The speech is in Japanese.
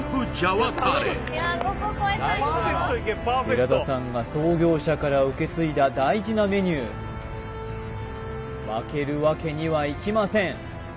寺田さんが創業者から受け継いだ大事なメニュー負けるわけにはいきません